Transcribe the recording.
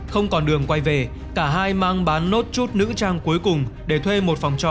không còn đường quay về cả hai mang bán nốt chút nữ trang cuối cùng để thuê một phòng trọ